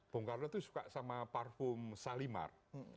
bung karno itu suka sama parfum salimar